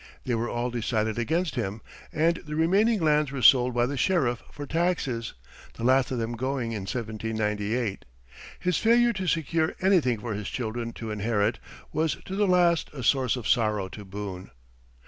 They were all decided against him, and the remaining lands were sold by the sheriff for taxes, the last of them going in 1798. His failure to secure anything for his children to inherit, was to the last a source of sorrow to Boone.